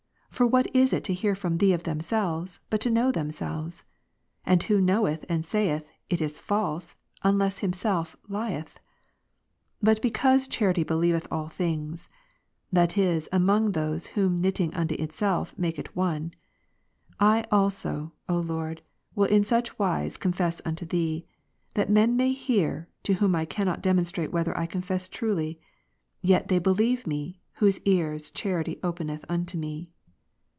For what is it to hear from Thee of themselves, but to know themselves ? and who knoweth and saith, " It is false," unless himself lieth ? But because charity believeth ^b. 13, 7. all things ; (that is, among those whom knitting unto itself it maketh one,) I also, O Lord, will in such wise confess unto Thee, that men may hear, to whom I cannot demonstrate wdiether I confess truly ; yet they believe me, whose ears charity openeth unto me.